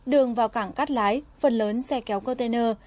đường vào cảng cắt lái phần lớn xe kéo container